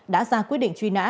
đã ra quyết định truy nã